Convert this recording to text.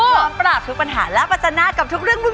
พร้อมปราบทุกปัญหาและปัจจนากับทุกเรื่องวุ่น